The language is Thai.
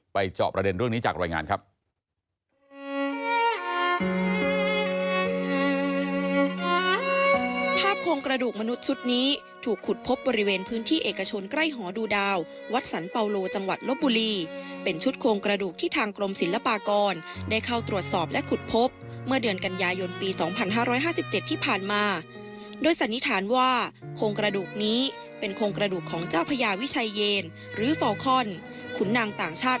จอบประเด็นเรื่องนี้จากรายงานครับ